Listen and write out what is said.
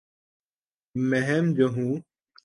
مہم جو ہوں